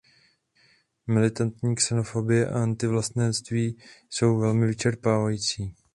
Militantní xenofobie a antivlastenectví jsou velmi vyčerpávající.